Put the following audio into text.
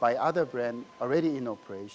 yang sudah beroperasi